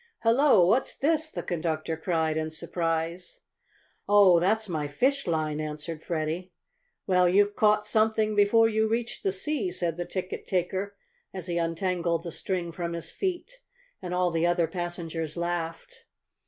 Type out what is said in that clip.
"Hello! What's this?" the conductor cried, in surprise. "Oh, that's my fish line!" answered Freddie. "Well, you've caught something before you reached the sea," said the ticket taker as he untangled the string from his feet, and all the other passengers laughed.